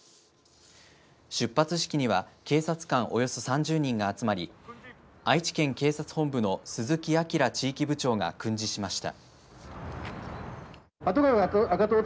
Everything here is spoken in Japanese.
出発式には警察官およそ３０人が集まり愛知県警察本部の鈴木彰地域部長が訓示しました。